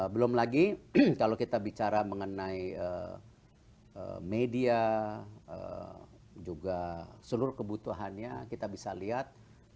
belum lagi kalau kita bicara mengenai media juga seluruh kebutuhannya kita bisa lihat